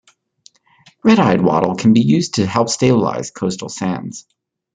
Red-eyed wattle can be used to help stabilise coastal sands.